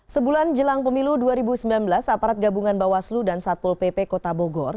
sebulan jelang pemilu dua ribu sembilan belas aparat gabungan bawaslu dan satpol pp kota bogor